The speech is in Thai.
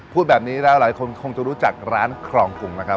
พูดแบบนี้แล้วหลายคนคงจะรู้จักร้านครองกุงนะครับ